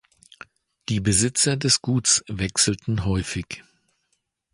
Die Besitzer des Guts wechselten häufig.